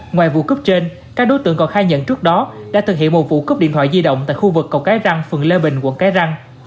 ngoài vụ cướp trên các đối tượng còn khai nhận trước đó đã thực hiện một vụ cướp điện thoại di động tại khu vực cầu cái răng phường lê bình quận cái răng